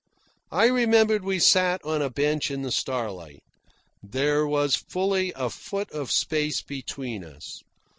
I remember we sat on a bench in the starlight. There was fully a foot of space between us.